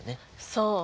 そう。